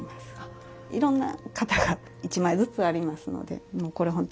いろんな型が１枚ずつありますのでこれ